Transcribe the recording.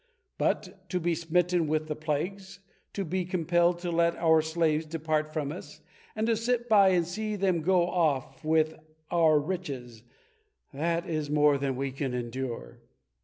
But to be smitten with the plagues, to be compelled to let our slaves depart from us, and to sit by and see them go off with our riches, that is more than we can endure."